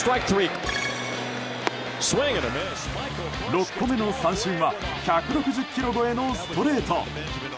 ６個目の三振は１６０キロ超えのストレート。